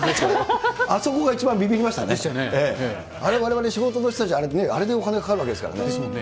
あれ、われわれ、仕事の人たち、あれでお金がかかるわけですからね。ですもんね。